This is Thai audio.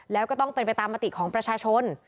แล้วก็ต้องเป็นไปตามมติของประชาชน